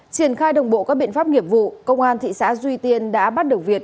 triển khai đồng bộ các biện pháp nghiệp vụ công an thị xã duy tiên đã bắt được việt